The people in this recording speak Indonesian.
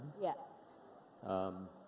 masing masing negara asean punya kelebihan